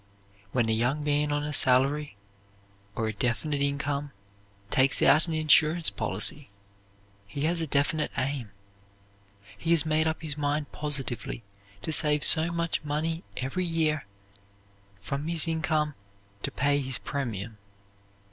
When a young man on a salary or a definite income takes out an insurance policy he has a definite aim. He has made up his mind positively to save so much money every year from his income to pay his premium.